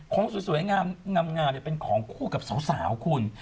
ของสวยงามเป็นของคู่กับสาวคุณ